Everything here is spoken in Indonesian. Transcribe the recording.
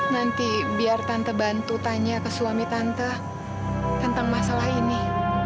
nanti biar tante tanya ke suami tante tentang masalah ini